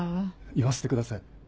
言わせてください。